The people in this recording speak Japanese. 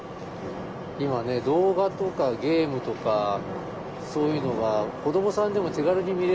今ね動画とかゲームとかそういうのが子どもさんでも手軽に見れるので。